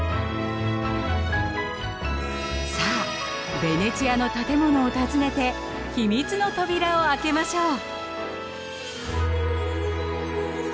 さあベネチアの建物を訪ねて秘密の扉を開けましょう！